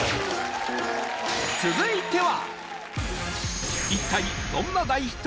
続いては！